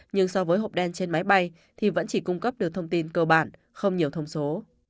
nhưng so với hộp đen trên máy bay thì vẫn chỉ cung cấp được thông tin cơ bản không nhiều thông số